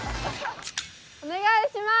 お願いします！